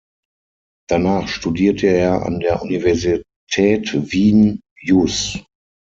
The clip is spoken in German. Danach studierte er an der Universität Wien Jus.